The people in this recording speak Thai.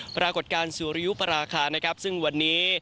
ปรากฏการณ์สุริยุปราคานะครับซึ่งวันนี้